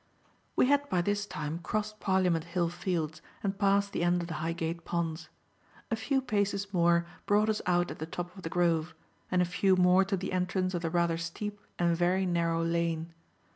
We had by this time crossed Parliament Hill Fields and passed the end of the Highgate Ponds. A few paces more brought us out at the top of the Grove and a few more to the entrance of the rather steep and very narrow lane.